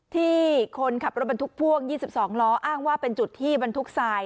ที่คนขับรถบรรทุกพ่วง๒๒ล้ออ้างว่าเป็นจุดที่บรรทุกทราย